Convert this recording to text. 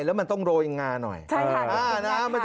แล้วมันต้องโรยงาหน่อย